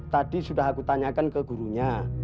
tadi sudah aku tanyakan ke gurunya